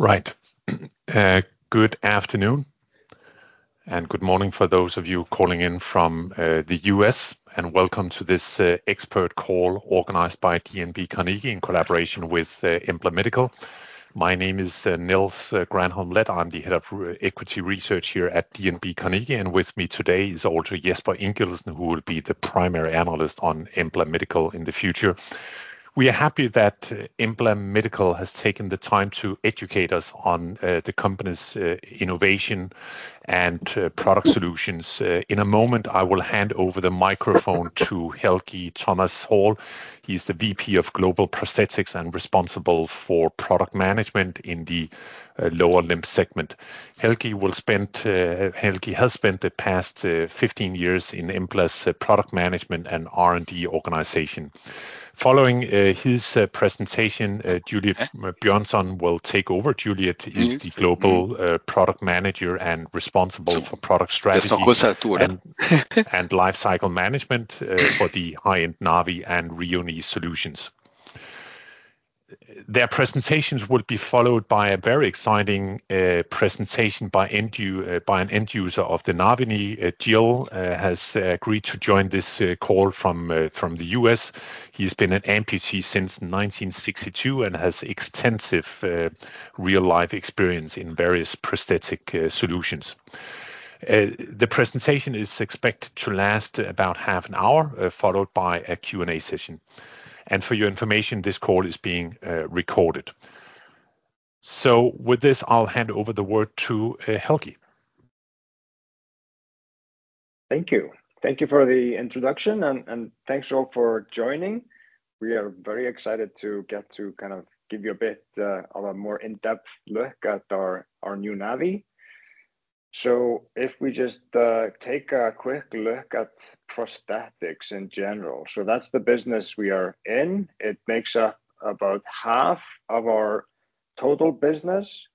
Right. Good afternoon, and good morning for those of you calling in from the U.S., and welcome to this expert call organized by DNB Carnegie in collaboration with Embla Medical. My name is Niels Granholm Leth. I'm the Head of Equity Research here at DNB Carnegie, and with me today is also Jesper Ingildsen, who will be the primary analyst on Embla Medical in the future. We are happy that Embla Medical has taken the time to educate us on the company's innovation and product solutions. In a moment, I will hand over the microphone to Helgi Tómas Hall. He is the VP of Global Prosthetics and responsible for product management in the lower limb segment. Helgi has spent the past 15 years in Embla's product management and R&D organization. Following his presentation, Juliet Bjørnson will take over. Juliet is the Global Product Manager and responsible for product strategy and lifecycle management for the high-end Navii and Rheo Knee solutions. Their presentations will be followed by a very exciting presentation by an end user of the Navii. Gil has agreed to join this call from the U.S. He has been an amputee since 1962 and has extensive real-life experience in vaRheous prosthetic solutions. The presentation is expected to last about half an hour, followed by a Q&A session. For your information, this call is being recorded. With this, I'll hand over the word to Helgi. Thank you. Thank you for the introduction, and thanks all for joining. We are very excited to get to kind of give you a bit of a more in-depth look at our new Navii. If we just take a quick look at prosthetics in general, that's the business we are in. It makes up about half of our total business,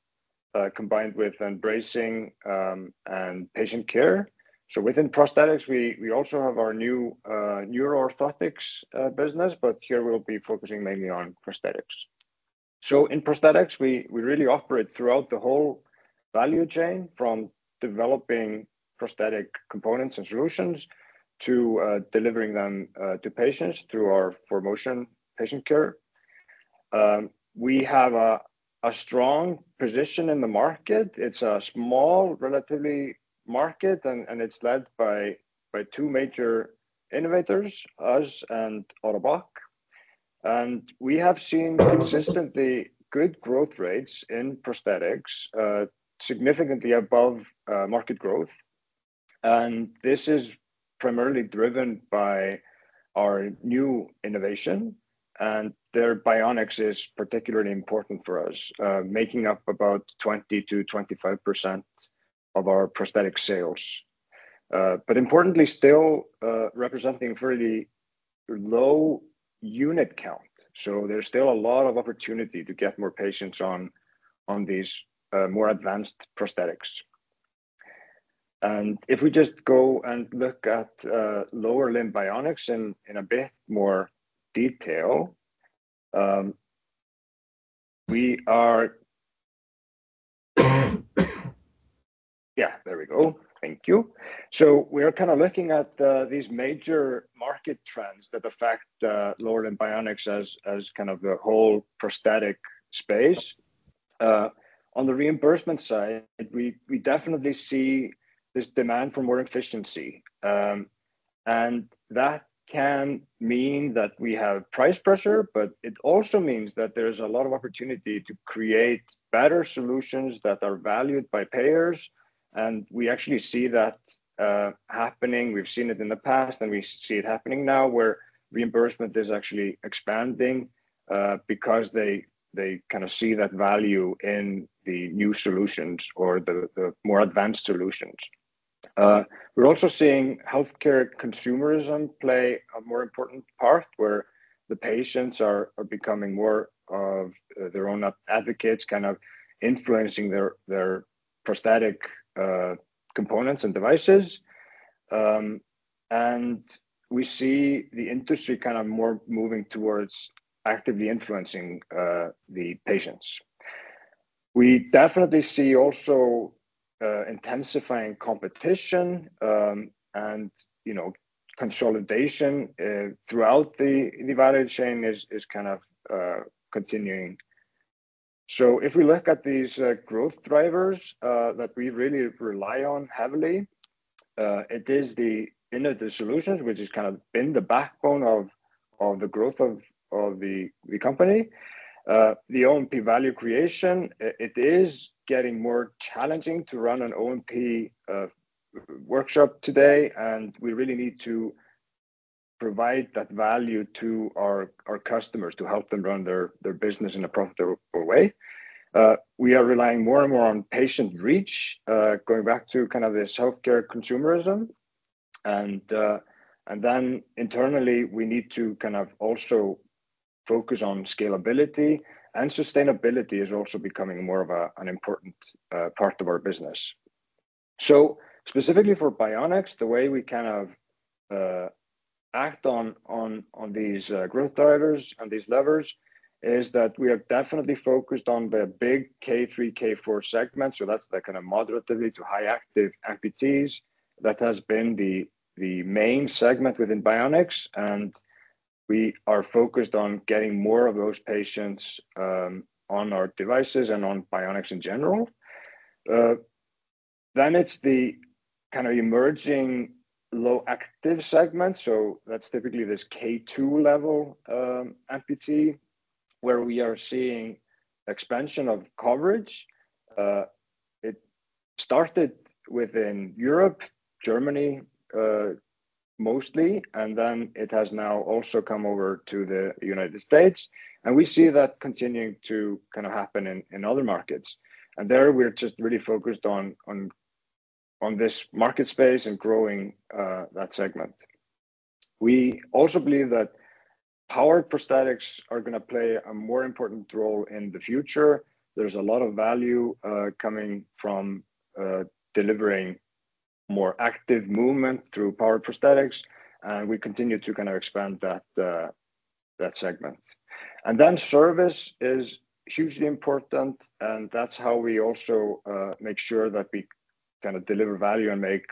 combined with bracing and patient care. Within prosthetics, we also have our new Kneuro orthotics business, but here we'll be focusing mainly on prosthetics. In prosthetics, we really operate throughout the whole value chain, from developing prosthetic components and solutions to delivering them to patients through our promotion patient care. We have a strong position in the market. It's a relatively small market, and it's led by two major innovators, us and Ottobock. We have seen consistently good growth rates in prosthetics, significantly above market growth. This is primarily driven by our new innovation, and their bionics is particularly important for us, making up about 20%-25% of our prosthetic sales. Importantly still, representing a fairly low unit count. There is still a lot of opportunity to get more patients on these more advanced prosthetics. If we just go and look at lower limb bionics in a bit more detail, we are... Yeah, there we go. Thank you. We are kind of looking at these major market trends that affect lower limb bionics as kind of the whole prosthetic space. On the reimbursement side, we definitely see this demand for more efficiency. That can mean that we have price pressure, but it also means that there's a lot of opportunity to create better solutions that are valued by payers. We actually see that happening. We've seen it in the past, and we see it happening now, where reimbursement is actually expanding because they kind of see that value in the new solutions or the more advanced solutions. We're also seeing healthcare consumerism play a more important part, where the patients are becoming more of their own advocates, kind of influencing their prosthetic components and devices. We see the industry kind of more moving towards actively influencing the patients. We definitely see also intensifying competition and consolidation throughout the value chain is kind of continuing. If we look at these growth drivers that we really rely on heavily, it is the inner solutions, which has kind of been the backbone of the growth of the company. The O&P value creation, it is getting more challenging to run an O&P workshop today, and we really need to provide that value to our customers to help them run their business in a profitable way. We are relying more and more on patient reach, going back to kind of the self-care consumerism. Internally, we need to kind of also focus on scalability, and sustainability is also becoming more of an important part of our business. Specifically for bionics, the way we kind of act on these growth drivers and these levers is that we are definitely focused on the big K3, K4 segment. That is the kind of moderately to high-active amputees. That has been the main segment within bionics, and we are focused on getting more of those patients on our devices and on bionics in general. It is the kind of emerging low-active segment. That is typically this K2 level amputee, where we are seeing expansion of coverage. It started within Europe, Germany mostly, and it has now also come over to the United States. We see that continuing to happen in other markets. We are just really focused on this market space and growing that segment. We also believe that power prosthetics are going to play a more important role in the future. There is a lot of value coming from delivering more active movement through power prosthetics, and we continue to expand that segment. Service is hugely important, and that is how we also make sure that we kind of deliver value and make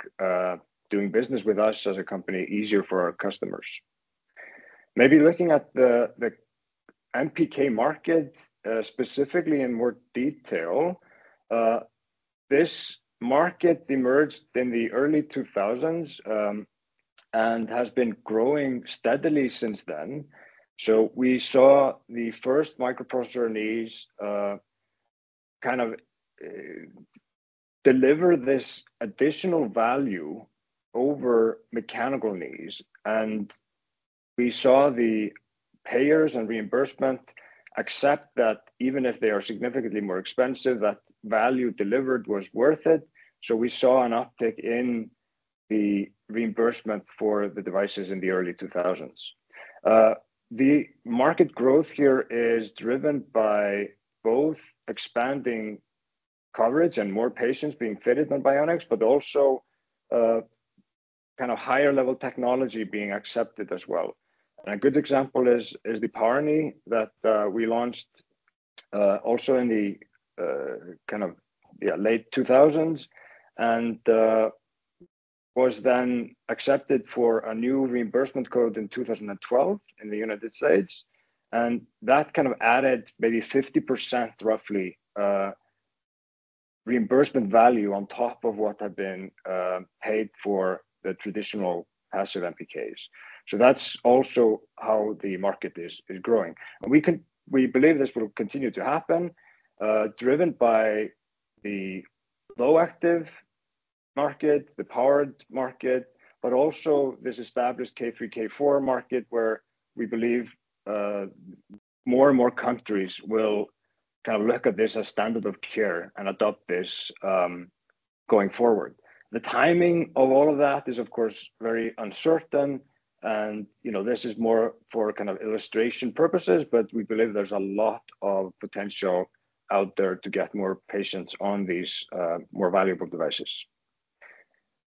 doing business with us as a company easier for our customers. Maybe looking at the MPK market specifically in more detail, this market emerged in the early 2000s and has been growing steadily since then. We saw the first microprocessor knees kind of deliver this additional value over mechanical knees, and we saw the payers and reimbursement accept that even if they are significantly more expensive, that value delivered was worth it. We saw an uptick in the reimbursement for the devices in the early 2000s. The market growth here is driven by both expanding coverage and more patients being fitted on bionics, but also kind of higher-level technology being accepted as well. A good example is the Power Knee that we launched also in the kind of late 2000s and was then accepted for a new reimbursement code in 2012 in the United States. That kind of added maybe 50% roughly reimbursement value on top of what had been paid for the traditional passive MPKs. That is also how the market is growing. We believe this will continue to happen, driven by the low-active market, the powered market, but also this established K3, K4 market, where we believe more and more countries will kind of look at this as standard of care and adopt this going forward. The timing of all of that is, of course, very uncertain, and this is more for kind of illustration purposes, but we believe there is a lot of potential out there to get more patients on these more valuable devices.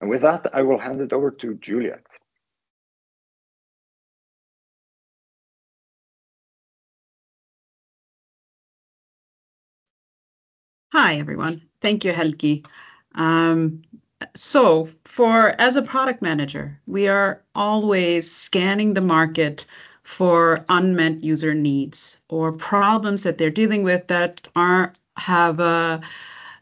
With that, I will hand it over to Juliet. Hi everyone. Thank you, Helgi. As a product manager, we are always scanning the market for unmet user needs or problems that they're dealing with that there are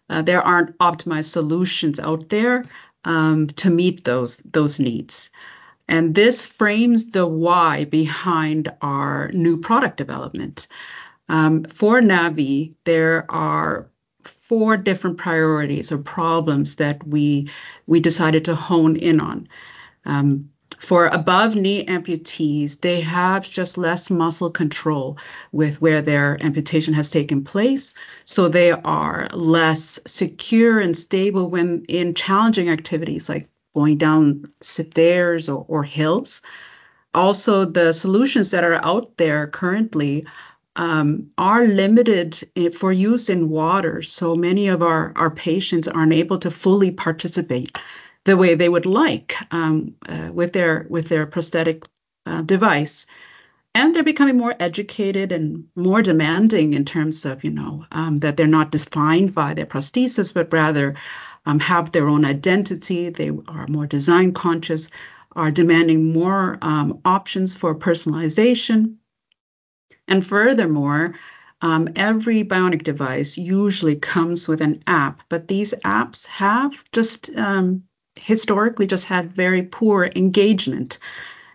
not optimized solutions out there to meet those needs. This frames the why behind our new product development. For Navii, there are four different pRheorities or problems that we decided to hone in on. For above-knee amputees, they have just less muscle control with where their amputation has taken place, so they are less secure and stable in challenging activities like going down stairs or hills. Also, the solutions that are out there currently are limited for use in water, so many of our patients are not able to fully participate the way they would like with their prosthetic device. They are becoming more educated and more demanding in terms of that they are not defined by their prosthesis, but rather have their own identity. They are more design-conscious, are demanding more options for personalization. Furthermore, every bionic device usually comes with an app, but these apps have historically just had very poor engagement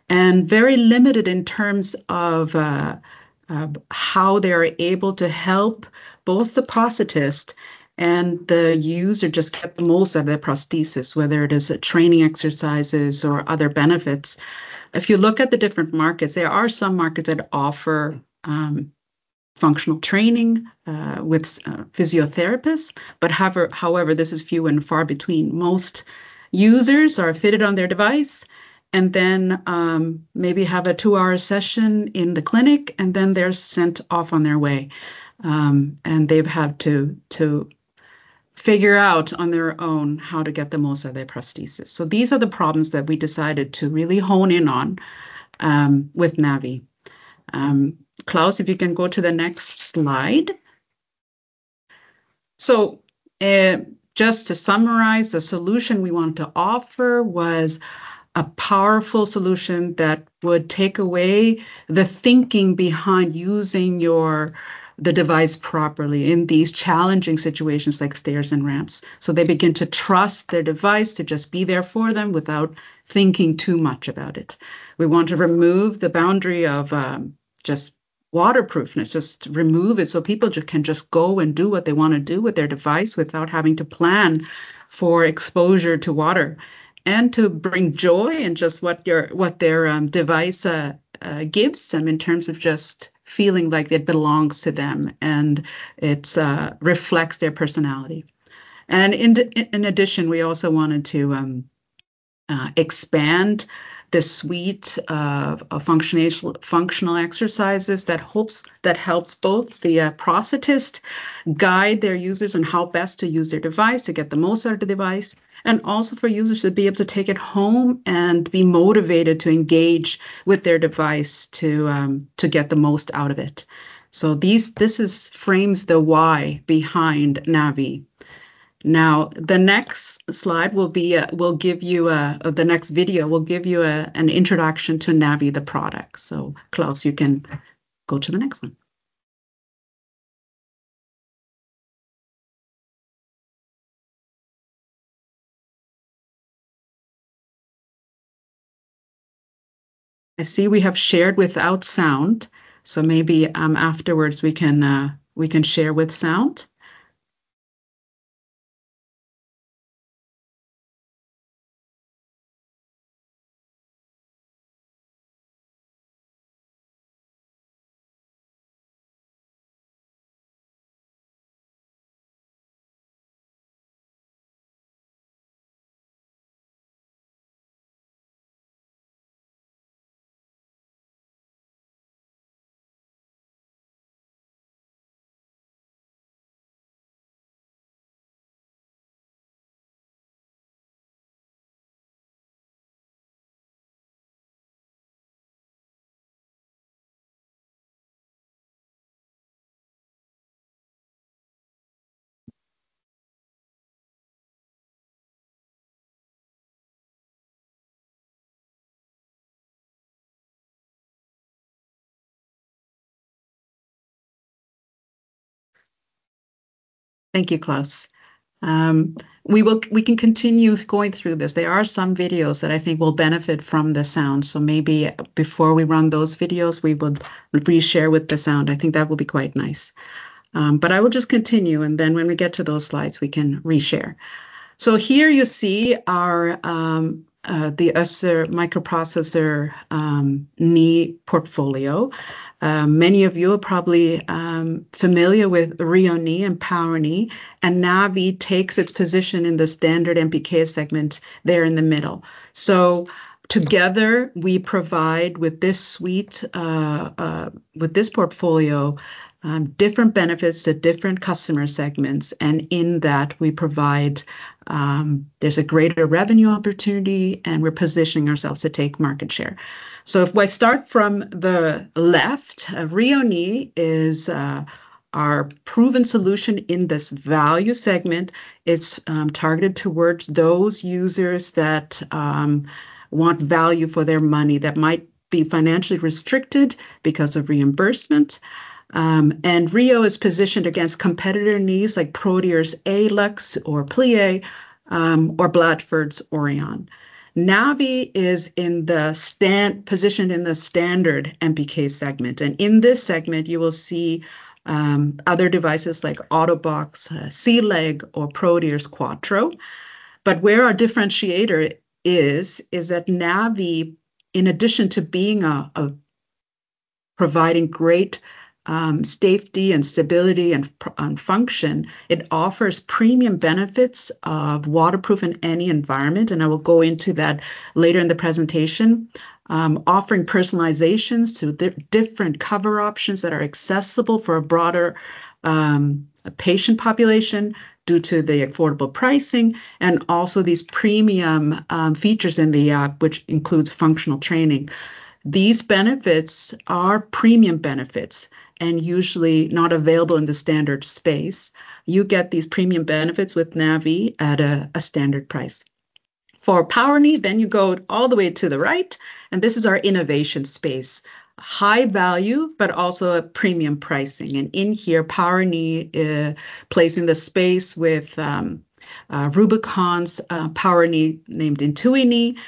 and are very limited in terms of how they are able to help both the prosthetist and the user just get the most out of their prosthesis, whether it is training exercises or other benefits. If you look at the different markets, there are some markets that offer functional training with physiotherapists; however, this is few and far between. Most users are fitted on their device and then maybe have a two-hour session in the clinic, and then they are sent off on their way. They've had to figure out on their own how to get the most out of their prosthesis. These are the problems that we decided to really hone in on with Navii. Klaus, if you can go to the next slide. Just to summarize, the solution we want to offer was a powerful solution that would take away the thinking behind using the device properly in these challenging situations like stairs and ramps. They begin to trust their device to just be there for them without thinking too much about it. We want to remove the boundary of just waterproofness, just remove it so people can just go and do what they want to do with their device without having to plan for exposure to water and to bring joy in just what their device gives them in terms of just feeling like it belongs to them and it reflects their personality. In addition, we also wanted to expand the suite of functional exercises that helps both the prosthetist guide their users on how best to use their device to get the most out of the device, and also for users to be able to take it home and be motivated to engage with their device to get the most out of it. This frames the why behind Navii. Now, the next slide will give you the next video will give you an introduction to Navii, the product. Klaus, you can go to the next one. I see we have shared without sound, so maybe afterwards we can share with sound. Thank you, Klaus. We can continue going through this. There are some videos that I think will benefit from the sound, so maybe before we run those videos, we would reshare with the sound. I think that will be quite nice. I will just continue, and then when we get to those slides, we can reshare. Here you see the Össur microprocessor knee portfolio. Many of you are probably familiar with Rheo Knee and Power Knee, and Navii takes its position in the standard MPK segment there in the middle. Together, we provide with this suite, with this portfolio, different benefits to different customer segments, and in that, we provide there's a greater revenue opportunity, and we're positioning ourselves to take market share. If I start from the left, Rheo Knee is our proven solution in this value segment. It's targeted towards those users that want value for their money that might be financially restricted because of reimbursement. Rheo is positioned against competitor knees like Proteor ALLUX or Pli é or Blatchford's ORheon. Navii is positioned in the standard MPK segment, and in this segment, you will see other devices like Ottobock, Sealeg, or PROTEOR QUATTRO. Where our differentiator is, is that Navii, in addition to providing great safety and stability and function, offers premium benefits of waterproof in any environment, and I will go into that later in the presentation, offering personalizations to different cover options that are accessible for a broader patient population due to the affordable pricing, and also these premium features in the app, which includes functional training. These benefits are premium benefits and usually not available in the standard space. You get these premium benefits with Navii at a standard price. For Power Knee, you go all the way to the right, and this is our innovation space, high value, but also premium pricing. In here, Power Knee is placing the space with Ripocon's Power Knee named Intuy Knee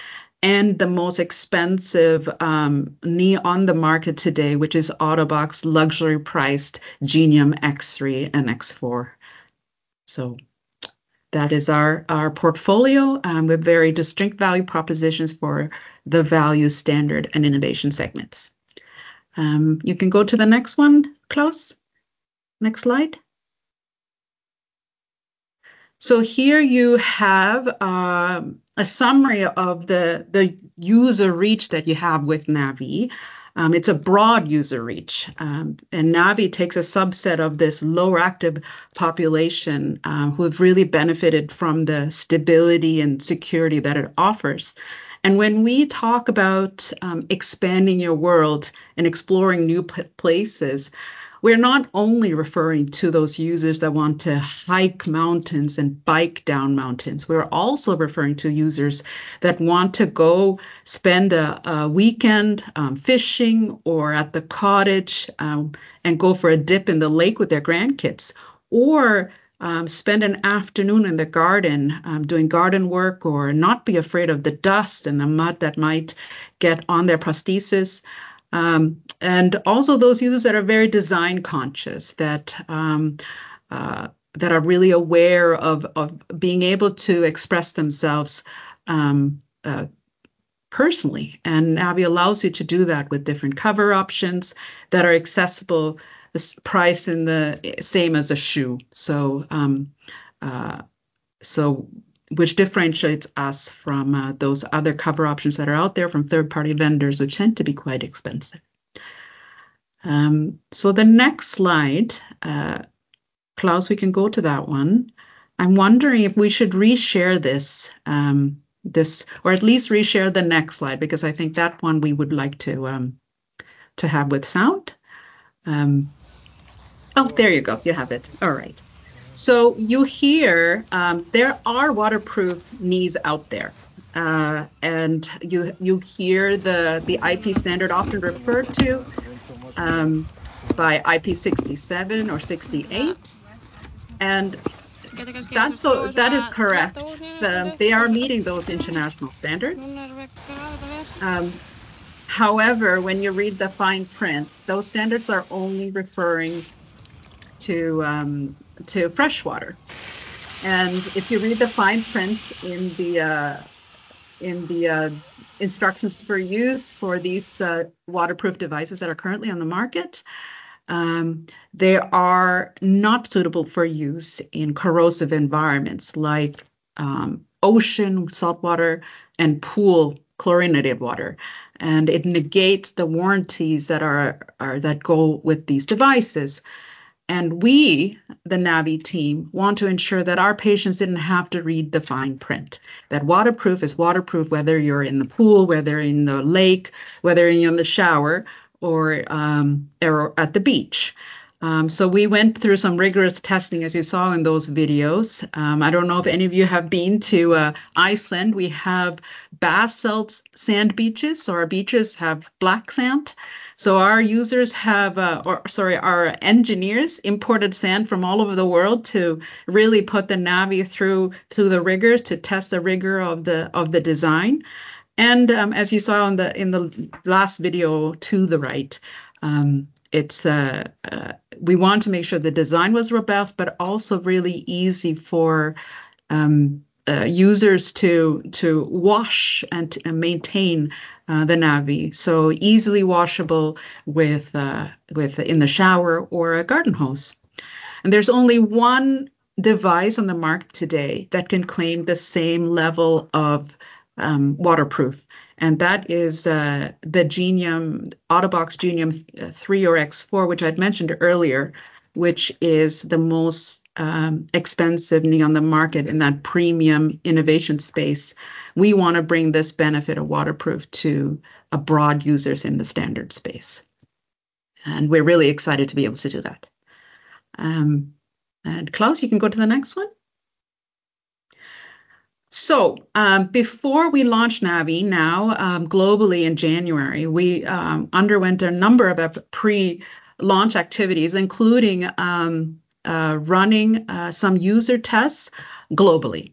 and the most expensive knee on the market today, which is Ottobock's luxury-priced Genium X3 and X4. That is our portfolio with very distinct value propositions for the value, standard, and innovation segments. You can go to the next one, Klaus. Next slide. Here you have a summary of the user reach that you have with Navii. It is a broad user reach, and Navii takes a subset of this lower-active population who have really benefited from the stability and security that it offers. When we talk about expanding your world and exploring new places, we're not only referring to those users that want to hike mountains and bike down mountains. We're also referring to users that want to go spend a weekend fishing or at the cottage and go for a dip in the lake with their grandkids or spend an afternoon in the garden doing garden work or not be afraid of the dust and the mud that might get on their prosthesis. Also, those users that are very design-conscious, that are really aware of being able to express themselves personally. Navii allows you to do that with different cover options that are accessible, priced in the same as a shoe, which differentiates us from those other cover options that are out there from third-party vendors, which tend to be quite expensive. The next slide, Klaus, we can go to that one. I'm wondering if we should reshare this or at least reshare the next slide because I think that one we would like to have with sound. Oh, there you go. You have it. All right. You hear there are waterproof knees out there, and you hear the IP standard often referred to by IP67 or 68. That is correct. They are meeting those international standards. However, when you read the fine print, those standards are only referring to freshwater. If you read the fine print in the instructions for use for these waterproof devices that are currently on the market, they are not suitable for use in corrosive environments like ocean, saltwater, and pool chlorinated water. It negates the warranties that go with these devices. We, the Navii team, want to ensure that our patients did not have to read the fine print, that waterproof is waterproof whether you are in the pool, whether in the lake, whether you are in the shower, or at the beach. We went through some rigorous testing, as you saw in those videos. I do not know if any of you have been to Iceland. We have basalt sand beaches, so our beaches have black sand. Our engineers imported sand from all over the world to really put the Navii through the rigors to test the rigor of the design. As you saw in the last video to the right, we want to make sure the design was robust, but also really easy for users to wash and maintain the Navii. It is easily washable in the shower or with a garden hose. There is only one device on the market today that can claim the same level of waterproof, and that is the Ottobock Genium X3 or X4, which I mentioned earlier, which is the most expensive knee on the market in that premium innovation space. We want to bring this benefit of waterproof to broad users in the standard space. We are really excited to be able to do that. Klaus, you can go to the next one. Before we launched Navii globally in January, we underwent a number of pre-launch activities, including running some user tests globally.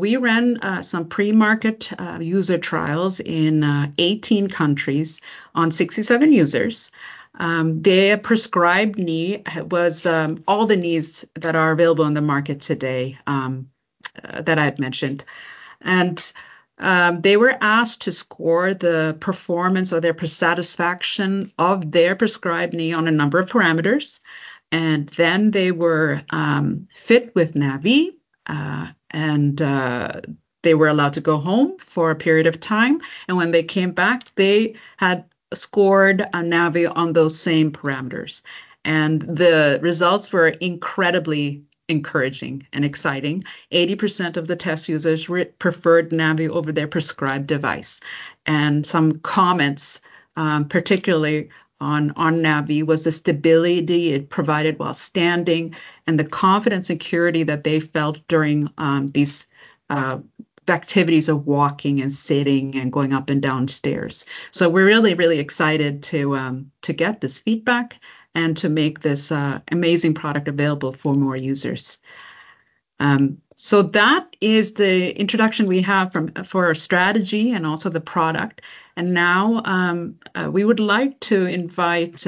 We ran some pre-market user trials in 18 countries on 67 users. Their prescribed knee was all the knees that are available on the market today that I have mentioned. They were asked to score the performance or their satisfaction of their prescribed knee on a number of parameters. They were fit with Navii, and they were allowed to go home for a peRheod of time. When they came back, they had scored Navii on those same parameters. The results were incredibly encouraging and exciting. 80% of the test users preferred Navii over their prescribed device. Some comments, particularly on Navii, were the stability it provided while standing and the confidence and security that they felt during these activities of walking and sitting and going up and down stairs. We are really, really excited to get this feedback and to make this amazing product available for more users. That is the introduction we have for our strategy and also the product. Now we would like to invite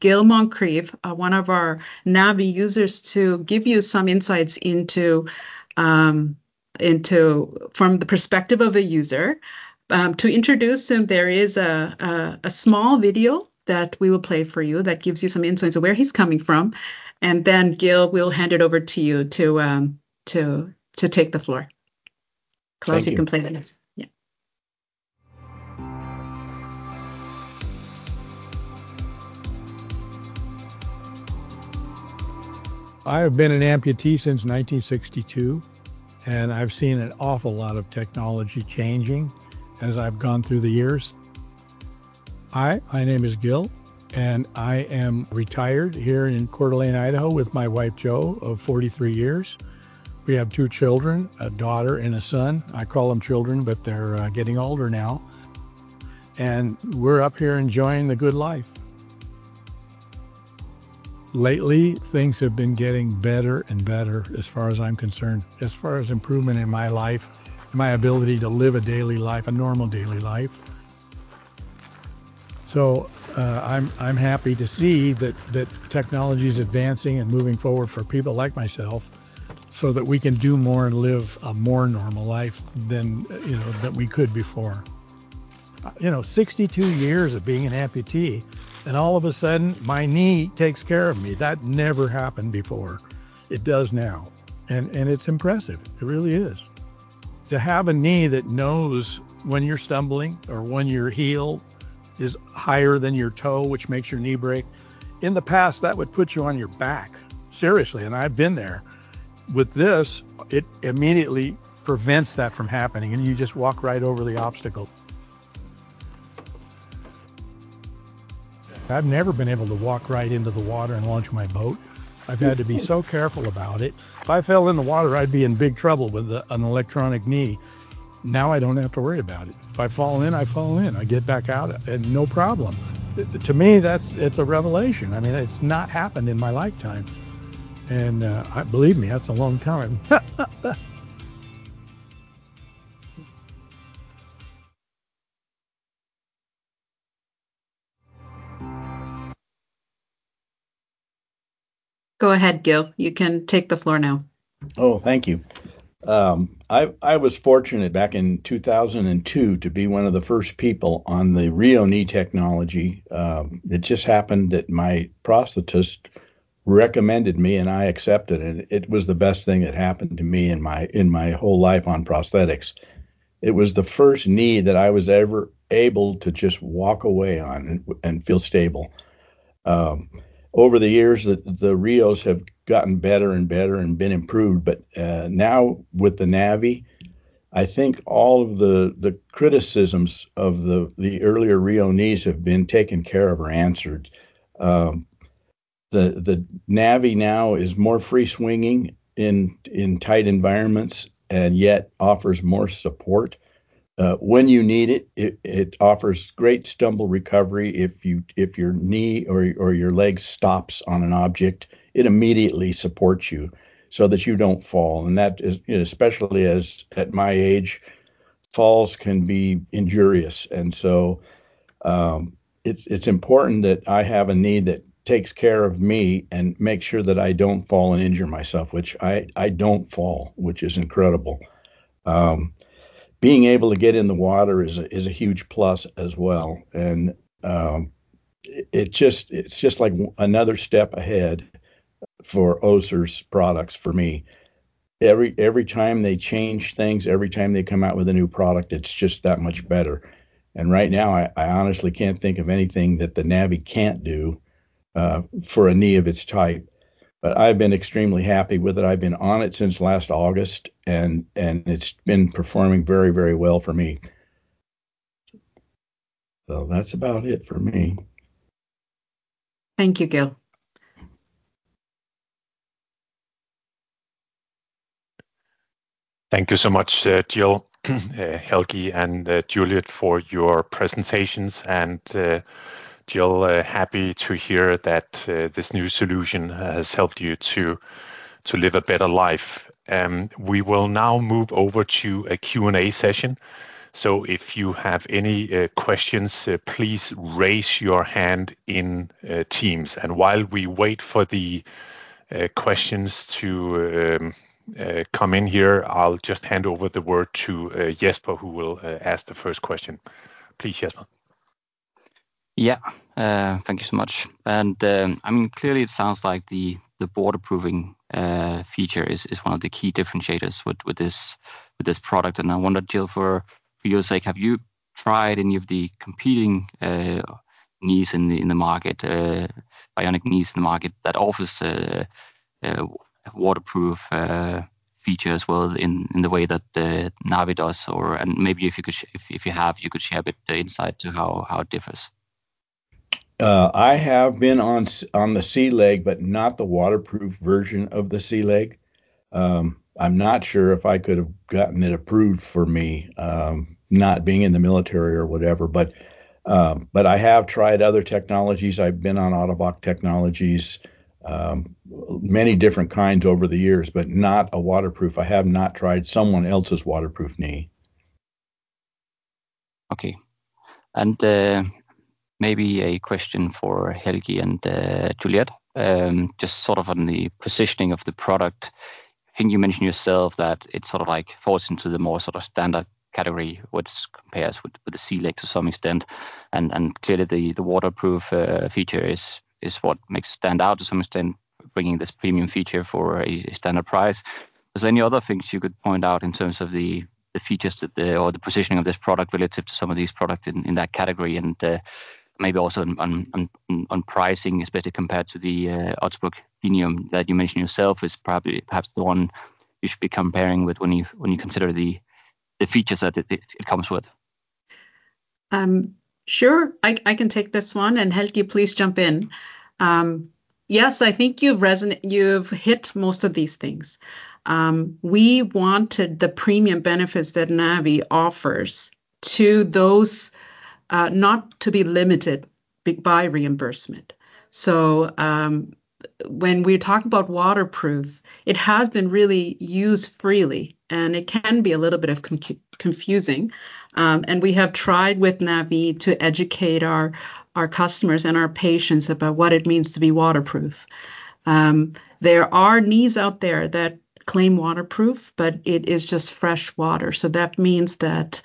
Gil Crive, one of our Navii users, to give you some insights from the perspective of a user. To introduce him, there is a small video that we will play for you that gives you some insights of where he's coming from. Gil, we'll hand it over to you to take the floor. Klaus, you can play the next. I have been an amputee since 1962, and I've seen an awful lot of technology changing as I've gone through the years. Hi, my name is Gil, and I am retired here in Coeur d'Alene, Idaho, with my wife, Jo, of 43 years. We have two children, a daughter and a son. I call them children, but they're getting older now. We are up here enjoying the good life. Lately, things have been getting better and better as far as I'm concerned, as far as improvement in my life, my ability to live a daily life, a normal daily life. I'm happy to see that technology is advancing and moving forward for people like myself so that we can do more and live a more normal life than we could before. 62 years of being an amputee, and all of a sudden, my knee takes care of me. That never happened before. It does now. And it's impressive. It really is. To have a knee that knows when you're stumbling or when your heel is higher than your toe, which makes your knee break, in the past, that would put you on your back, seriously. I've been there. With this, it immediately prevents that from happening, and you just walk right over the obstacle. I've never been able to walk right into the water and launch my boat. I've had to be so careful about it. If I fell in the water, I'd be in big trouble with an electronic knee. Now I don't have to worry about it. If I fall in, I fall in. I get back out, and no problem. To me, it's a revelation. I mean, it's not happened in my lifetime. And believe me, that's a long time. Go ahead, Gil. You can take the floor now. Oh, thank you. I was fortunate back in 2002 to be one of the first people on the Rheo Knee technology. It just happened that my prosthetist recommended me, and I accepted it. It was the best thing that happened to me in my whole life on prosthetics. It was the first knee that I was ever able to just walk away on and feel stable. Over the years, the Rheos have gotten better and better and been improved. Now, with the Navii, I think all of the criticisms of the earlier Rheo knees have been taken care of or answered. The Navii now is more free-swinging in tight environments and yet offers more support. When you need it, it offers great stumble recovery. If your knee or your leg stops on an object, it immediately supports you so that you do not fall. That is especially important as at my age, falls can be injuRheous. It is important that I have a knee that takes care of me and makes sure that I do not fall and injure myself, which I do not fall, which is incredible. Being able to get in the water is a huge plus as well. It is just like another step ahead for Össur's products for me. Every time they change things, every time they come out with a new product, it's just that much better. Right now, I honestly can't think of anything that the Navii can't do for a knee of its type. I've been extremely happy with it. I've been on it since last August, and it's been performing very, very well for me. That's about it for me. Thank you, Gil. Thank you so much, Gil, Helgi, and Juliet, for your presentations. Gil, happy to hear that this new solution has helped you to live a better life. We will now move over to a Q&A session. If you have any questions, please raise your hand in Teams. While we wait for the questions to come in here, I'll just hand over the word to Jesper, who will ask the first question. Please, Jesper. Yeah. Thank you so much. I mean, clearly, it sounds like the waterproofing feature is one of the key differentiators with this product. I wonder, Gil, for your sake, have you tried any of the competing knees in the market, bionic knees in the market that offer waterproof features as well in the way that Navii does? Maybe if you could, if you have, you could share a bit of insight to how it differs. I have been on the C-Leg, but not the waterproof version of the C-Leg. I'm not sure if I could have gotten it approved for me, not being in the military or whatever. I have tried other technologies. I've been on Ottobock technologies, many different kinds over the years, but not a waterproof. I have not tried someone else's waterproof knee. Okay. Maybe a question for Helgi and Juliet, just sort of on the positioning of the product. I think you mentioned yourself that it sort of falls into the more sort of standard category, which compares with the C-Leg to some extent. Clearly, the waterproof feature is what makes it stand out to some extent, bringing this premium feature for a standard price. Are there any other things you could point out in terms of the features or the positioning of this product relative to some of these products in that category? Maybe also on pricing, especially compared to the Genium that you mentioned yourself, is perhaps the one you should be comparing with when you consider the features that it comes with? Sure. I can take this one. Helgi, please jump in. Yes, I think you have hit most of these things. We wanted the premium benefits that Navii offers to those not to be limited by reimbursement. When we talk about waterproof, it has been really used freely, and it can be a little bit confusing. We have tried with Navii to educate our customers and our patients about what it means to be waterproof. There are knees out there that claim waterproof, but it is just fresh water. That means that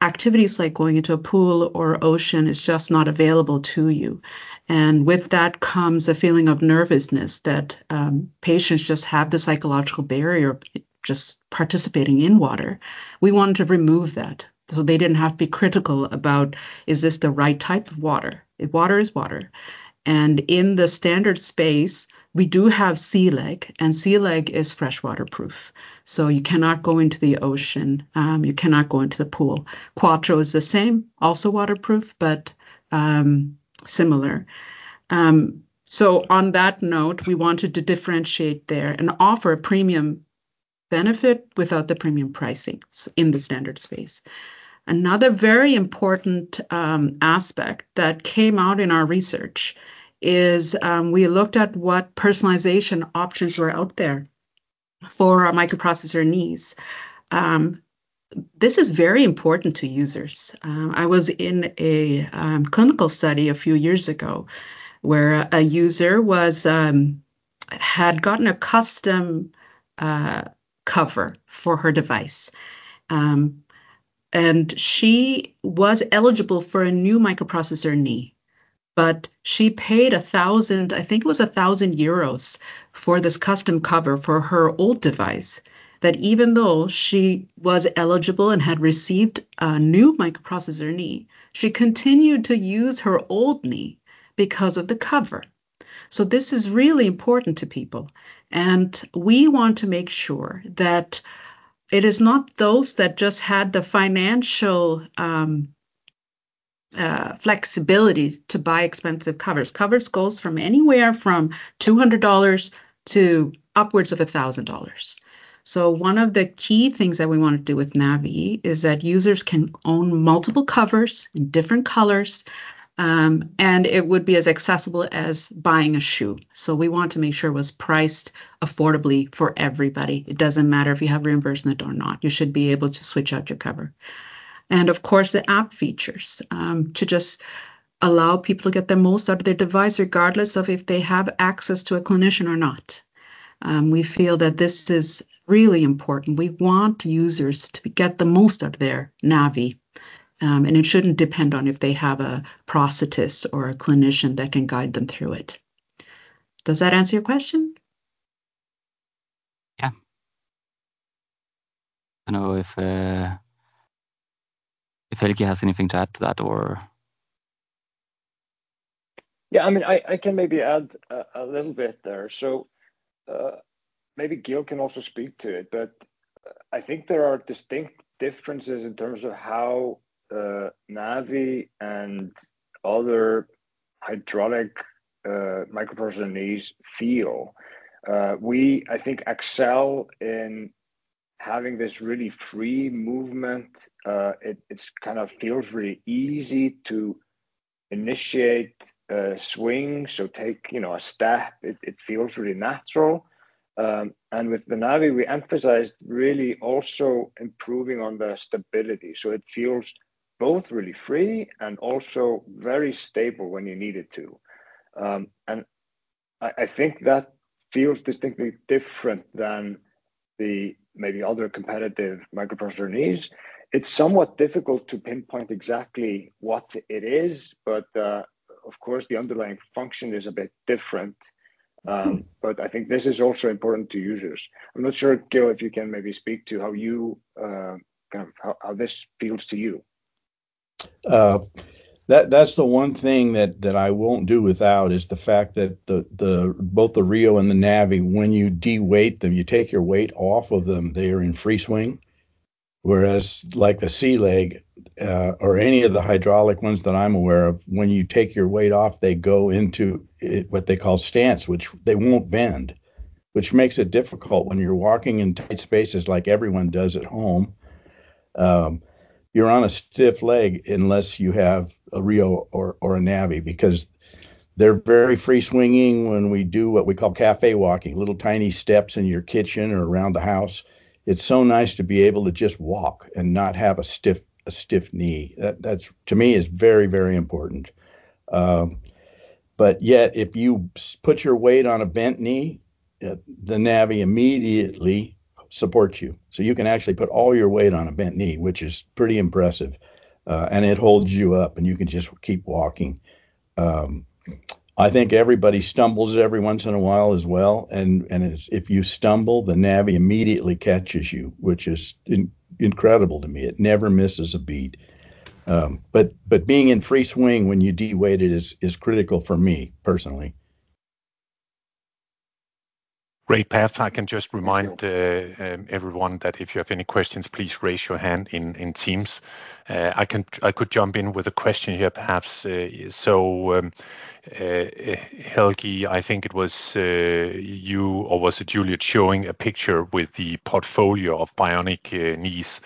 activities like going into a pool or ocean are just not available to you. With that comes a feeling of nervousness that patients just have the psychological barrier of just participating in water. We wanted to remove that so they did not have to be critical about, "Is this the right type of water?" Water is water. In the standard space, we do have C-Leg, and C-Leg is freshwaterproof. You cannot go into the ocean. You cannot go into the pool. QUATTRO is the same, also waterproof, but similar. On that note, we wanted to differentiate there and offer a premium benefit without the premium pricing in the standard space. Another very important aspect that came out in our research is we looked at what personalization options were out there for microprocessor knees. This is very important to users. I was in a clinical study a few years ago where a user had gotten a custom cover for her device. She was eligible for a new microprocessor knee, but she paid 1,000, I think it was 1,000 euros for this custom cover for her old device that even though she was eligible and had received a new microprocessor knee, she continued to use her old knee because of the cover. This is really important to people. We want to make sure that it is not those that just had the financial flexibility to buy expensive covers. Covers go from anywhere from $200 to upwards of $1,000. One of the key things that we want to do with Navii is that users can own multiple covers in different colors, and it would be as accessible as buying a shoe. We want to make sure it was priced affordably for everybody. It does not matter if you have reimbursement or not. You should be able to switch out your cover. Of course, the app features just allow people to get the most out of their device regardless of if they have access to a clinician or not. We feel that this is really important. We want users to get the most out of their Navii, and it shouldn't depend on if they have a prosthetist or a clinician that can guide them through it. Does that answer your question? Yeah. I don't know if Helgi has anything to add to that or. Yeah. I mean, I can maybe add a little bit there. Maybe Gil can also speak to it, but I think there are distinct differences in terms of how Navii and other hydraulic microprocessor knees feel. We, I think, excel in having this really free movement. It kind of feels really easy to initiate swings, so take a step. It feels really natural. With the Navii, we emphasized really also improving on the stability. It feels both really free and also very stable when you need it to. I think that feels distinctly different than maybe other competitive microprocessor knees. It's somewhat difficult to pinpoint exactly what it is, but of course, the underlying function is a bit different. I think this is also important to users. I'm not sure, Gil, if you can maybe speak to how you kind of how this feels to you. That's the one thing that I won't do without is the fact that both the Rheo and the Navii, when you deweight them, you take your weight off of them, they are in free swing. Whereas like the C-Leg or any of the hydraulic ones that I'm aware of, when you take your weight off, they go into what they call stance, which they won't bend, which makes it difficult when you're walking in tight spaces like everyone does at home. You're on a stiff leg unless you have a Rheo or a Navii because they're very free swinging when we do what we call café walking, little tiny steps in your kitchen or around the house. It's so nice to be able to just walk and not have a stiff knee. That to me is very, very important. Yet, if you put your weight on a bent knee, the Navii immediately supports you. You can actually put all your weight on a bent knee, which is pretty impressive. It holds you up, and you can just keep walking. I think everybody stumbles every once in a while as well. If you stumble, the Navii immediately catches you, which is incredible to me. It never misses a beat. Being in free swing when you deweight it is critical for me personally. Great path. I can just remind everyone that if you have any questions, please raise your hand in Teams. I could jump in with a question here, perhaps. Helgi, I think it was you or was it Juliet showing a picture with the portfolio of bionic knees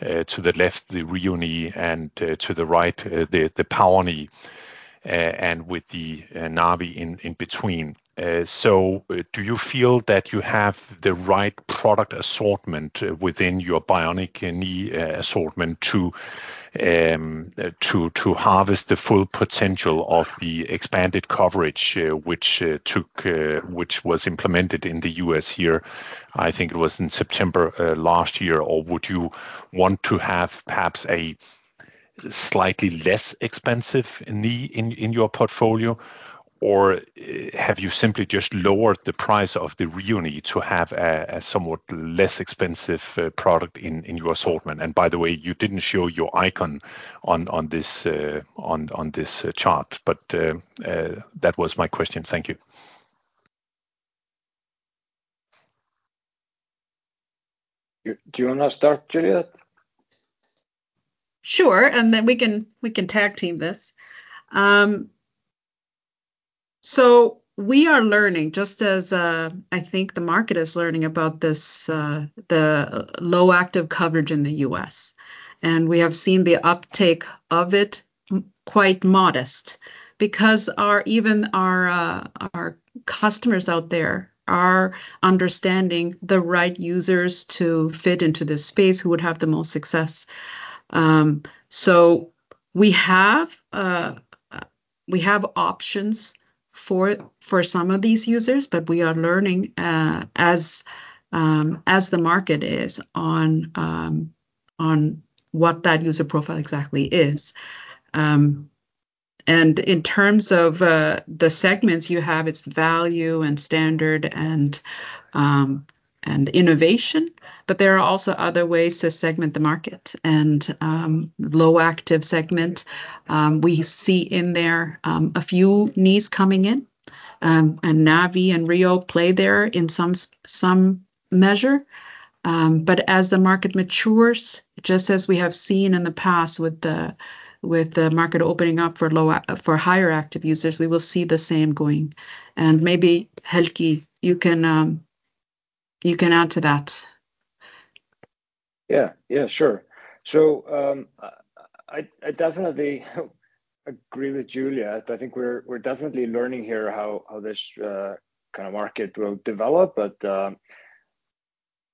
to the left, the Rheo Knee, and to the right, the Power Knee, and with the Navii in between? Do you feel that you have the right product assortment within your bionic knee assortment to harvest the full potential of the expanded coverage, which was implemented in the U.S. here? I think it was in September last year. Would you want to have perhaps a slightly less expensive knee in your portfolio? Or have you simply just lowered the price of the Rheo Knee to have a somewhat less expensive product in your assortment? By the way, you did not show your Icon on this chart, but that was my question. Thank you. Do you want to start, Juliet? Sure. And then we can tag team this. We are learning, just as I think the market is learning about this, the low active coverage in the U.S. We have seen the uptake of it quite modest because even our customers out there are understanding the right users to fit into this space who would have the most success. We have options for some of these users, but we are learning as the market is on what that user profile exactly is. In terms of the segments you have, it is value and standard and innovation, but there are also other ways to segment the market. In the low active segment, we see in there a few knees coming in. Navii and Rheo play there in some measure. As the market matures, just as we have seen in the past with the market opening up for higher active users, we will see the same going. Maybe Helgi, you can add to that. Yeah. Yeah. Sure. I definitely agree with Juliet. I think we're definitely learning here how this kind of market will develop.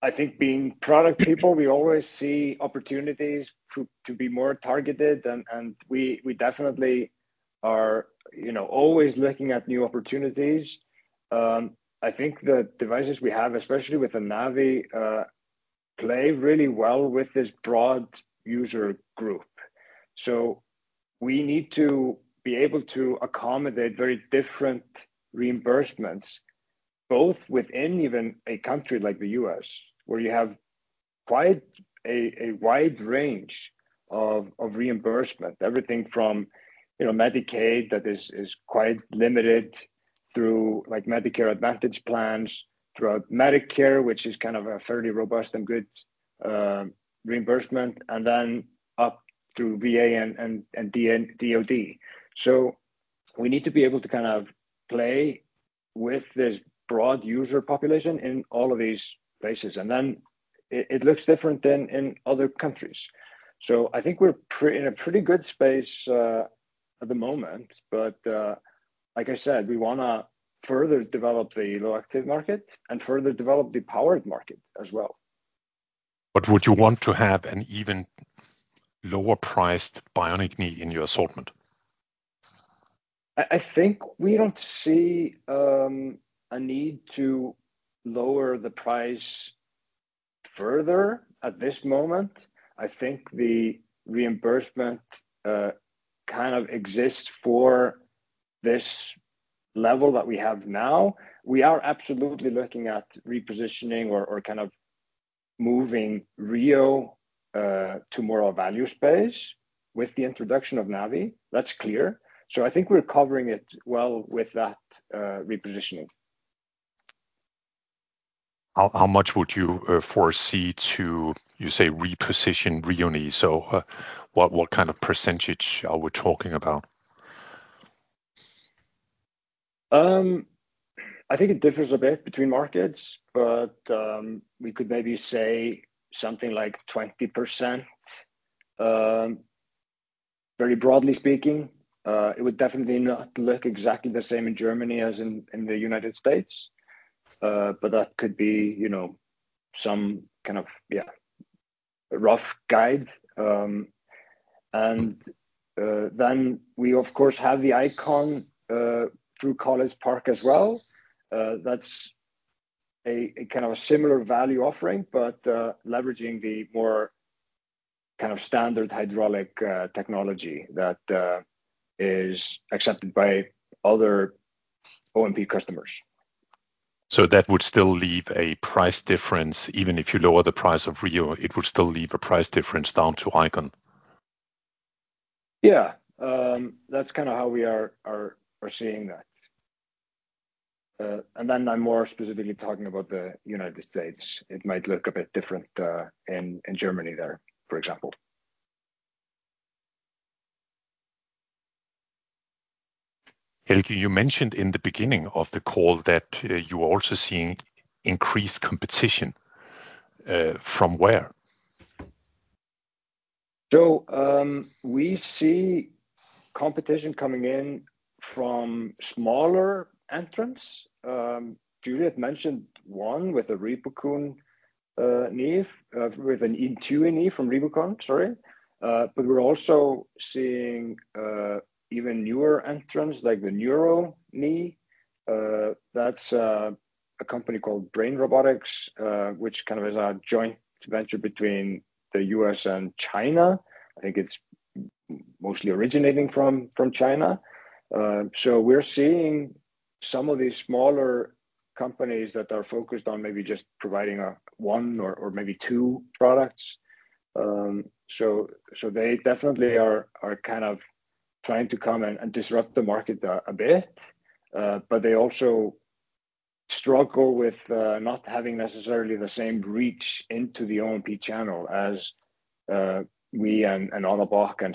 I think being product people, we always see opportunities to be more targeted. We definitely are always looking at new opportunities. I think the devices we have, especially with the Navii, play really well with this broad user group. We need to be able to accommodate very different reimbursements, both within even a country like the U.S., where you have quite a wide range of reimbursement, everything from Medicaid that is quite limited through Medicare Advantage plans throughout Medicare, which is kind of a fairly robust and good reimbursement, and then up through VA and DOD. We need to be able to kind of play with this broad user population in all of these places. It looks different than in other countries. I think we're in a pretty good space at the moment. Like I said, we want to further develop the low active market and further develop the powered market as well. Would you want to have an even lower priced bionic knee in your assortment? I think we don't see a need to lower the price further at this moment. I think the reimbursement kind of exists for this level that we have now. We are absolutely looking at repositioning or kind of moving Rheo to more of a value space with the introduction of Navii. That's clear. I think we're covering it well with that repositioning. How much would you foresee to, you say, reposition Rheo knee? What kind of percentage are we talking about? I think it differs a bit between markets, but we could maybe say something like 20%, very broadly speaking. It would definitely not look exactly the same in Germany as in the United States, but that could be some kind of, yeah, rough guide. We, of course, have the Icon through College Park as well. That's a kind of a similar value offering, but leveraging the more kind of standard hydraulic technology that is accepted by other O&P customers. That would still leave a price difference. Even if you lower the price of Rheo, it would still leave a price difference down to Icon. Yeah. That is kind of how we are seeing that. I am more specifically talking about the United States. It might look a bit different in Germany there, for example. Helgi, you mentioned in the beginning of the call that you are also seeing increased competition. From where? We see competition coming in from smaller entrants. Juliet mentioned one with a Ripocon knee, with an Intuy knee from Ripocon, sorry. We are also seeing even newer entrants like the Kneuro Knee. That is a company called Brain Robotics, which kind of is a joint venture between the U.S. and China. I think it is mostly originating from China. We're seeing some of these smaller companies that are focused on maybe just providing one or maybe two products. They definitely are kind of trying to come and disrupt the market a bit, but they also struggle with not having necessarily the same reach into the O&P channel as we and and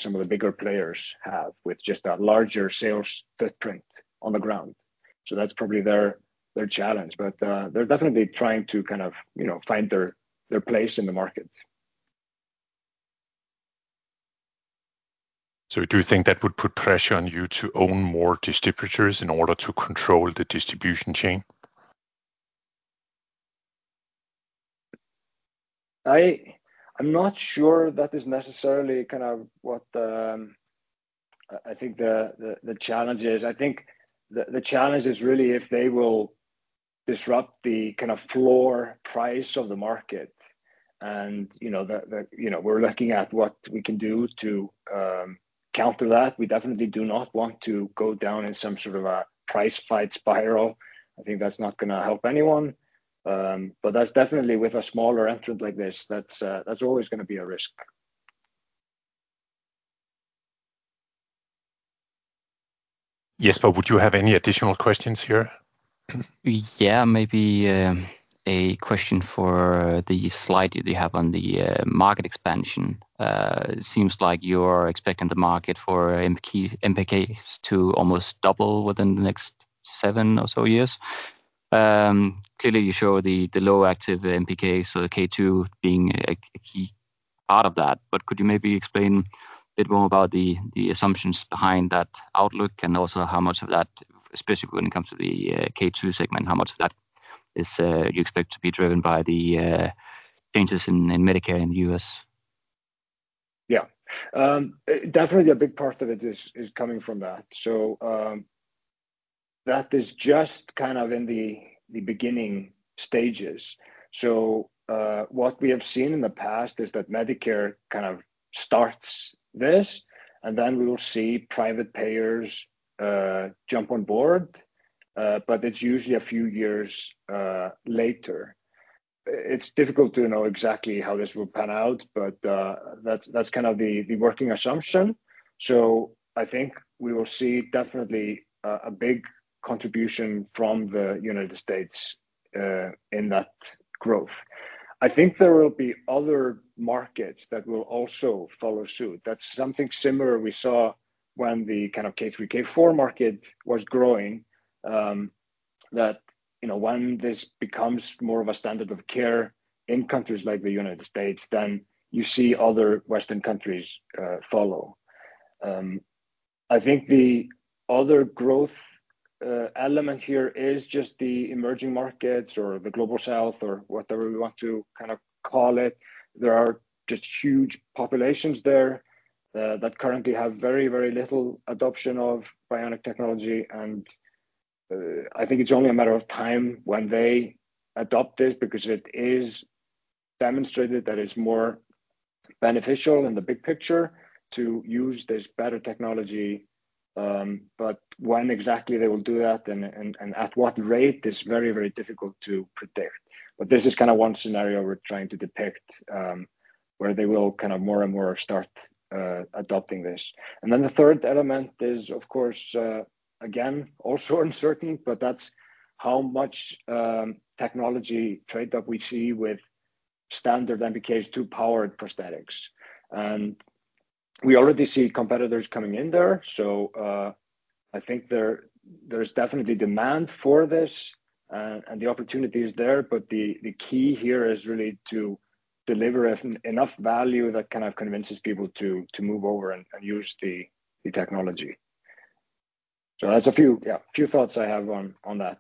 some of the bigger players have with just that larger sales footprint on the ground. That's probably their challenge. They're definitely trying to kind of find their place in the market. Do you think that would put pressure on you to own more distributors in order to control the distribution chain? I'm not sure that is necessarily kind of what I think the challenge is. I think the challenge is really if they will disrupt the kind of floor price of the market. We're looking at what we can do to counter that. We definitely do not want to go down in some sort of a price fight spiral. I think that's not going to help anyone. That's definitely with a smaller entrant like this. That's always going to be a risk. Yes, would you have any additional questions here? Yeah, maybe a question for the slide that you have on the market expansion. It seems like you're expecting the market for MPKs to almost double within the next seven or so years. Clearly, you show the low active MPKs, so the K2 being a key part of that. Could you maybe explain a bit more about the assumptions behind that outlook and also how much of that, especially when it comes to the K2 segment, you expect to be driven by the changes in Medicare in the U.S.? Yeah. Definitely, a big part of it is coming from that. That is just kind of in the beginning stages. What we have seen in the past is that Medicare kind of starts this, and then we will see private payers jump on board. It is usually a few years later. It is difficult to know exactly how this will pan out, but that is kind of the working assumption. I think we will see definitely a big contribution from the United States in that growth. I think there will be other markets that will also follow suit. That's something similar we saw when the kind of K3, K4 market was growing, that when this becomes more of a standard of care in countries like the United States, you see other Western countries follow. I think the other growth element here is just the emerging markets or the Global South or whatever we want to kind of call it. There are just huge populations there that currently have very, very little adoption of bionic technology. I think it's only a matter of time when they adopt this because it is demonstrated that it's more beneficial in the big picture to use this better technology. When exactly they will do that and at what rate is very, very difficult to predict. This is kind of one scenaRheo we're trying to depict where they will kind of more and more start adopting this. The third element is, of course, again, also uncertain, but that is how much technology trade that we see with standard MPKs to powered prosthetics. We already see competitors coming in there. I think there is definitely demand for this, and the opportunity is there. The key here is really to deliver enough value that kind of convinces people to move over and use the technology. That is a few thoughts I have on that.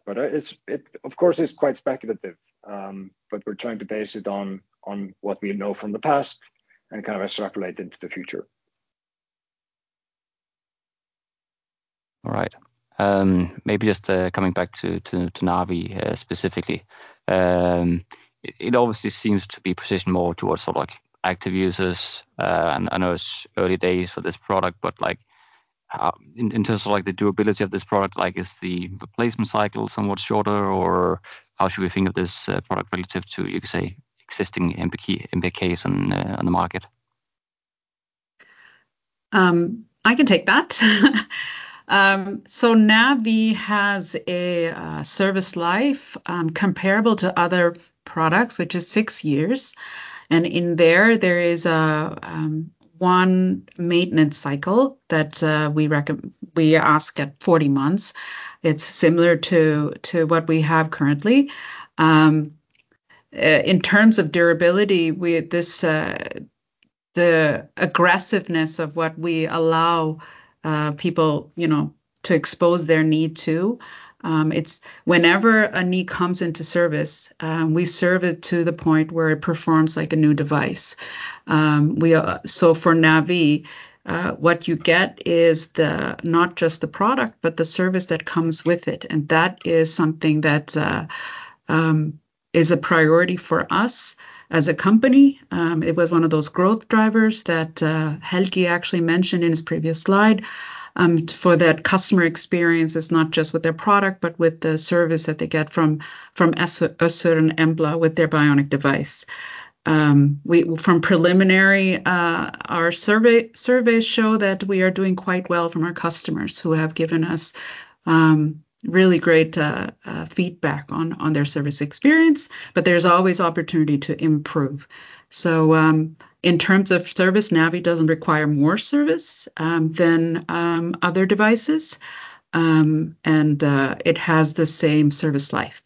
Of course, it is quite speculative, but we are trying to base it on what we know from the past and kind of extrapolate into the future. All right. Maybe just coming back to Navii specifically. It obviously seems to be positioned more towards active users. I know it's early days for this product, but in terms of the durability of this product, is the replacement cycle somewhat shorter, or how should we think of this product relative to, you could say, existing MPKs on the market? I can take that. Navii has a service life comparable to other products, which is six years. In there, there is one maintenance cycle that we ask at 40 months. It's similar to what we have currently. In terms of durability, the aggressiveness of what we allow people to expose their knee to, whenever a knee comes into service, we serve it to the point where it performs like a new device. For Navii, what you get is not just the product, but the service that comes with it. That is something that is a priority for us as a company. It was one of those growth drivers that Helgi actually mentioned in his previous slide for that customer experience is not just with their product, but with the service that they get from a certain Embla with their bionic device. From preliminary, our surveys show that we are doing quite well from our customers who have given us really great feedback on their service experience, but there's always opportunity to improve. In terms of service, Navii doesn't require more service than other devices, and it has the same service life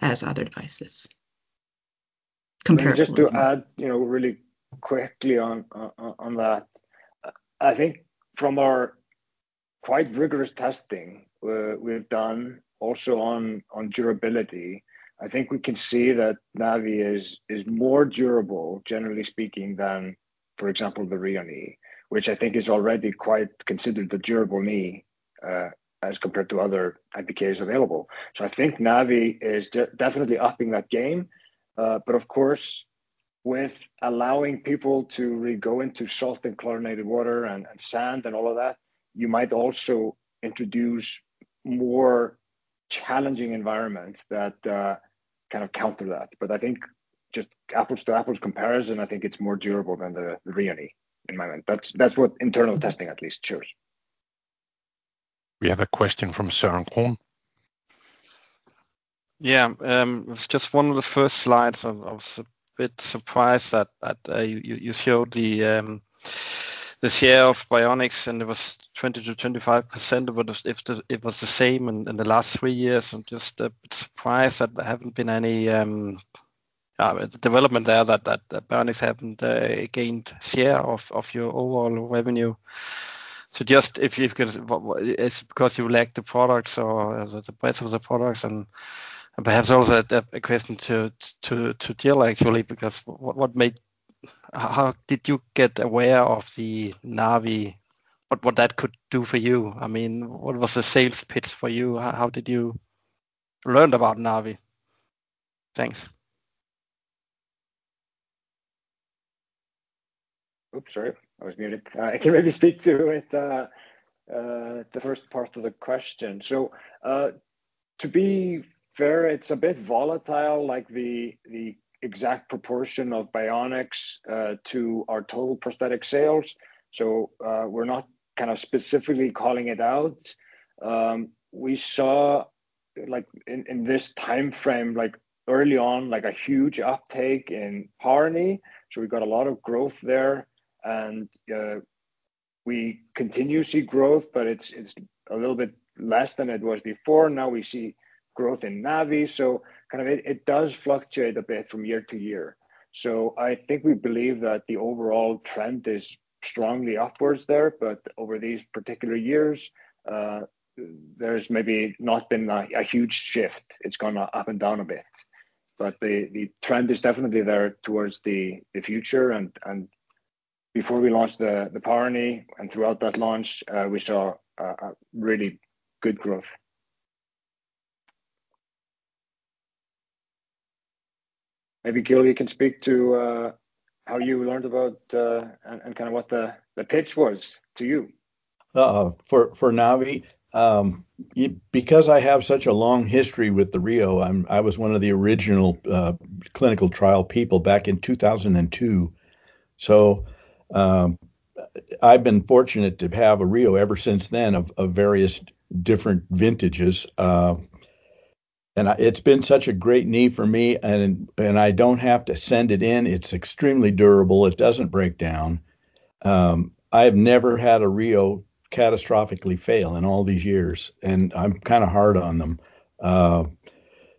as other devices comparatively. Just to add really quickly on that, I think from our quite rigorous testing we've done also on durability, I think we can see that Navii is more durable, generally speaking, than, for example, the Rheo Knee, which I think is already quite considered the durable knee as compared to other MPKs available. I think Navii is definitely upping that game. Of course, with allowing people to go into salt and chlorinated water and sand and all of that, you might also introduce more challenging environments that kind of counter that. I think just apples to apples comparison, I think it's more durable than the Rheoni in my mind. That's what internal testing at least shows. We have a question from. Yeah. It's just one of the first slides. I was a bit surprised that you showed the share of bionics, and it was 20-25% of it if it was the same in the last three years. I'm just a bit surprised that there haven't been any development there, that bionics haven't gained share of your overall revenue. Just if you could, it's because you like the products or the price of the products. Perhaps also a question to Gil actually, because how did you get aware of the Navii? What that could do for you? I mean, what was the sales pitch for you? How did you learn about Navii? Thanks. Oops, sorry. I was muted. I can maybe speak to it, the first part of the question. To be fair, it's a bit volatile, like the exact proportion of bionics to our total prosthetic sales. We're not kind of specifically calling it out. We saw in this timeframe, early on, a huge uptake in Navii. We got a lot of growth there. We continuously grow, but it's a little bit less than it was before. Now we see growth in Navii. It does fluctuate a bit from year to year. I think we believe that the overall trend is strongly upwards there, but over these particular years, there's maybe not been a huge shift. It's gone up and down a bit. The trend is definitely there towards the future. Before we launched the Navii, and throughout that launch, we saw really good growth. Maybe Gil, you can speak to how you learned about and kind of what the pitch was to you. For Navii, because I have such a long history with the Rheo, I was one of the original clinical trial people back in 2002. I have been fortunate to have a Rheo ever since then of vaRheous different vintages. It's been such a great knee for me, and I don't have to send it in. It's extremely durable. It doesn't break down. I have never had a Rheo catastrophically fail in all these years, and I'm kind of hard on them.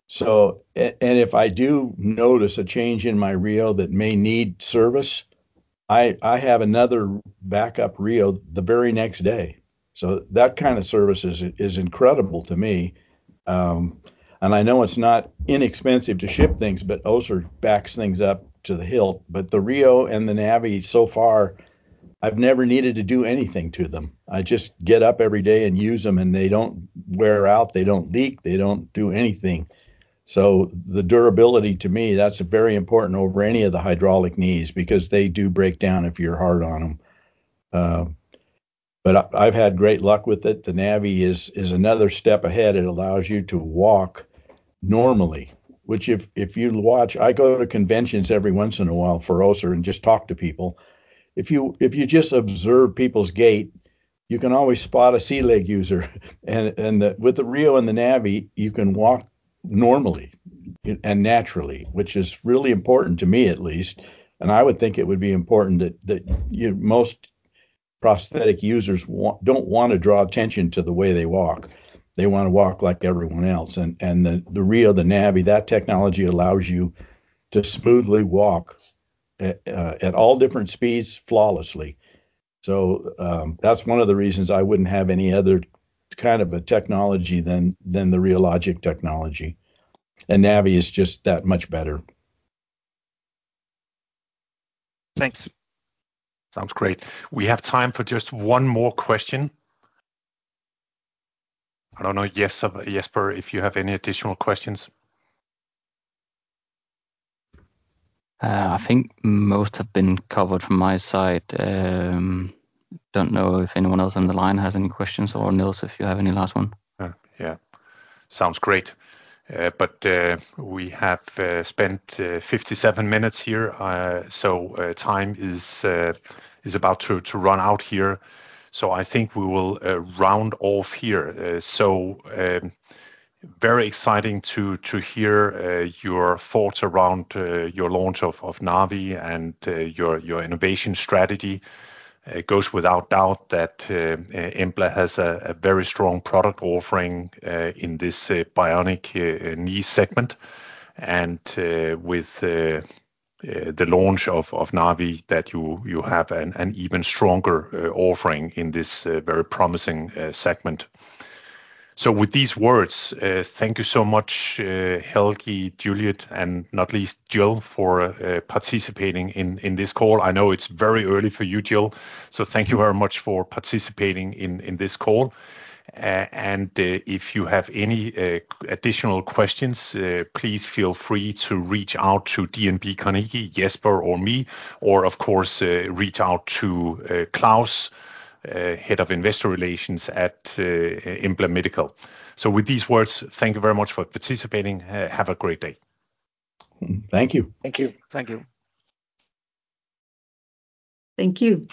If I do notice a change in my Rheo that may need service, I have another backup Rheo the very next day. That kind of service is incredible to me. I know it's not inexpensive to ship things, but also backs things up to the hill. The Rheo and the Navii, so far, I've never needed to do anything to them. I just get up every day and use them, and they don't wear out. They don't leak. They don't do anything. The durability, to me, that's very important over any of the hydraulic knees because they do break down if you're hard on them. I've had great luck with it. The Navii is another step ahead. It allows you to walk normally, which if you watch, I go to conventions every once in a while for O&P and just talk to people. If you just observe people's gait, you can always spot a C-Leg user. With the Rheo and the Navii, you can walk normally and naturally, which is really important to me, at least. I would think it would be important that most prosthetic users do not want to draw attention to the way they walk. They want to walk like everyone else. The Rheo, the Navii, that technology allows you to smoothly walk at all different speeds flawlessly. That is one of the reasons I would not have any other kind of a technology than the Rheologic technology. Navii is just that much better. Thanks. Sounds great. We have time for just one more question. I don't know, Jesper, if you have any additional questions. I think most have been covered from my side. I don't know if anyone else on the line has any questions or Nils, if you have any last one. Yeah. Sounds great. We have spent 57 minutes here, so time is about to run out here. I think we will round off here. Very exciting to hear your thoughts around your launch of Navii and your innovation strategy. It goes without doubt that Embla has a very strong product offering in this bionic knee segment. With the launch of Navii, you have an even stronger offering in this very promising segment. With these words, thank you so much, Helgi, Juliet, and not least, Gil, for participating in this call. I know it's very early for you, Gil. Thank you very much for participating in this call. If you have any additional questions, please feel free to reach out to DNB Carnegie, Jesper, or me, or of course, reach out to Klaus, Head of Investor Relations at Embla Medical. With these words, thank you very much for participating. Have a great day. Thank you. Thank you. Thank you. Thank you.